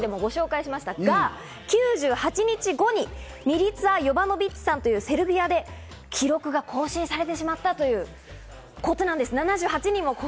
が、９８日後にミリツァ・ヨヴァノビッチさんという、セルビアで記録が更新されてしまったということなんです。